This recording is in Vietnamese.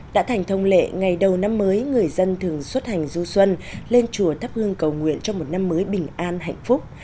đã thành thông lệ ngày đầu năm mới người dân thường xuất hành du xuân lên chùa thắp hương cầu nguyện cho một năm mới bình an hạnh phúc